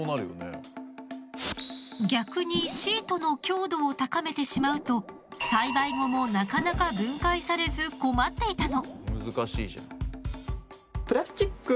逆にシートの強度を高めてしまうと栽培後もなかなか分解されず困っていたの。